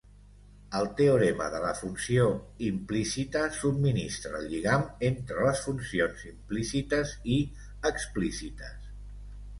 El teorema de la funció implícita subministra el lligam entre les funcions implícites i explícites.